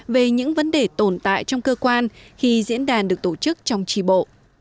về những vấn đề tồn tại trong cơ quan khi diễn đàn được tổ chức trong tri bộ